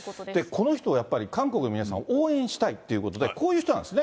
この人をやっぱり、韓国の皆さん、応援したいということで、こういう人なんですね。